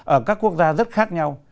ở các quốc gia rất khác nhau